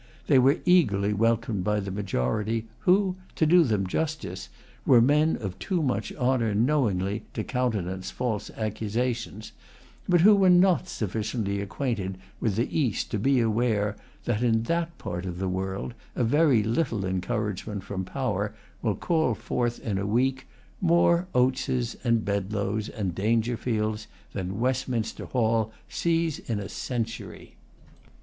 They were eagerly welcomed by the majority, who, to do them justice, were men of too much honor knowingly to countenance false accusations, but who were not sufficiently acquainted with the East to be aware that, in that part of the world, a very little encouragement from power will call forth, in a week, more Oateses, and Bedloes, and Dangerfields, than Westminster Hall sees in a century.